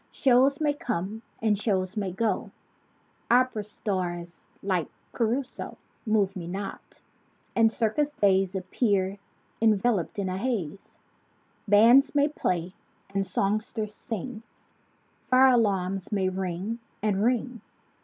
Shows may come and shows may go. Opera stars like Ca ru so Move me not. And circus days Appear enveloped in a haze. Bands may play, and songsters sing; Fire alarms may ring and ring.